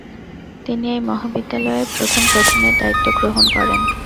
তিনি এই মহাবিদ্যালয়ের প্রথম প্রধানের দায়িত্ব গ্রহণ করেন।